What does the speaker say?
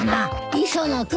磯野君。